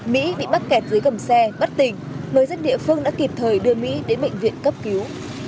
mỹ bị mắc kẹt dưới gầm xe bất tỉnh người dân địa phương đã kịp thời đưa mỹ đến bệnh viện cấp cứu